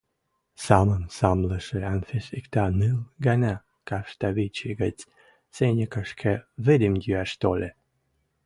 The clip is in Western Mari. Самым самлышы Анфис иктӓ нӹл гӓнӓ кавштавичӹ гӹц сеньӹкӹшкӹ вӹдӹм йӱӓш тольы.